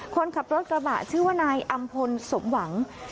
คนขับรถกระบะชื่อว่านายอำพลสมหวัง